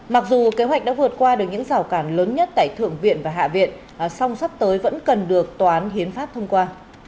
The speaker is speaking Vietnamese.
mặc dù kế hoạch đã vượt qua được những rào cản lớn nhất tại thượng viện và hạ viện song sắp tới vẫn cần được tòa án hiến pháp thông qua